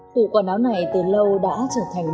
cụ quần áo này từ lâu đã trở thành